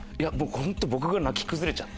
本当僕が泣き崩れちゃって。